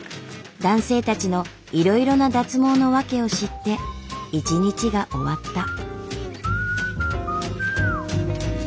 男性たちのいろいろな脱毛の訳を知って一日が終わった。